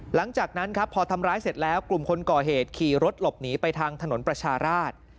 หลังจากนั้นครับพอทำร้ายเสร็จแล้วกลุ่มคนก่อเหตุขี่รถหลบหนีไปทางถนนประชาราช